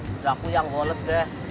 udah aku yang goles deh